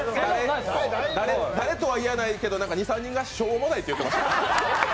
誰とは言わないですが２３人が「しょうもない」って言ってました。